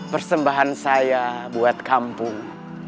persembahan saya buat kampung